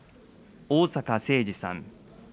逢坂誠二さん。